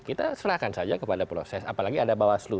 kita serahkan saja kepada proses apalagi ada bawah selu